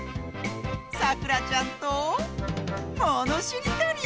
さくらちゃんとものしりとり！